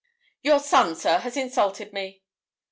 'Your son, sir, has insulted me.'